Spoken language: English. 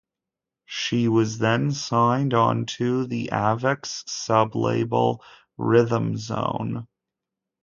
She was then signed onto the Avex sub-label Rhythm Zone.